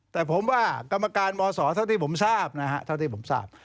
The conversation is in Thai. แต่ผมว่ากรรมการบศเท่าที่ผมทราบ